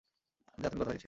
যা তুমি কথা দিয়েছিলে।